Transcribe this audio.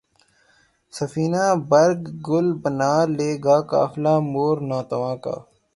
سفینۂ برگ گل بنا لے گا قافلہ مور ناتواں کا